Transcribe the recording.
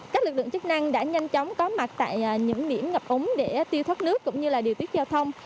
các lực lượng chức năng đã nhanh chóng có mặt tại những điểm ngập úng để tiêu thoát nước cũng như điều tiết giao thông